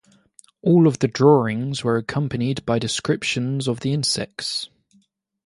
All of the drawings were accompanied by descriptions of the insects.